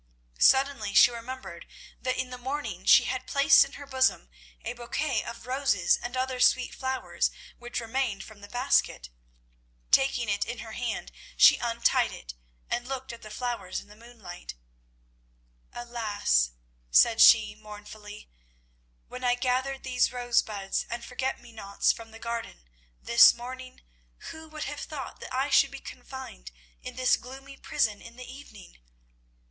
Suddenly she remembered that in the morning she had placed in her bosom a bouquet of roses and other sweet flowers which remained from the basket. Taking it in her hand she untied it, and looked at the flowers in the moonlight. "Alas," said she mournfully, "when I gathered these rosebuds and forget me nots from my garden this morning, who would have thought that I should be confined in this gloomy prison in the evening?